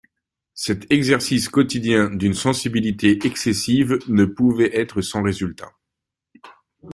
Cet exercice quotidien d'une sensibilité excessive ne pouvait être sans résultats.